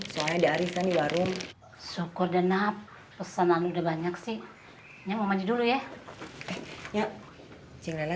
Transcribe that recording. soalnya dari sandiwarung syukur dan naf pesanan udah banyak sih nyamu manjir dulu ya ya cilela